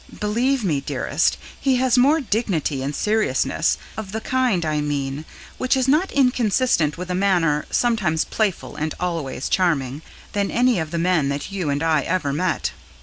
Believe me, dearest, he has more dignity and seriousness (of the kind, I mean, which is not inconsistent with a manner sometimes playful and always charming) than any of the men that you and I ever met.